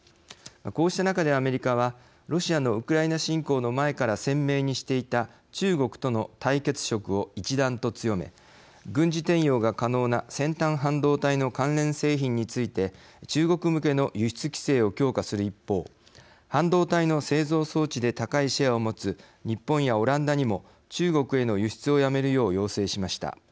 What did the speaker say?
こうした中でアメリカはロシアのウクライナ侵攻の前から鮮明にしていた中国との対決色を一段と強め軍事転用が可能な先端半導体の関連製品について中国向けの輸出規制を強化する一方半導体の製造装置で高いシェアをもつ日本やオランダにも中国への輸出をやめるよう要請しました。